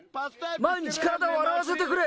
毎日体を洗わせてくれ。